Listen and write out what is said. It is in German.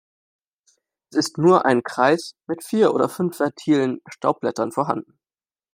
Es ist nur ein Kreis mit vier oder fünf fertilen Staubblättern vorhanden.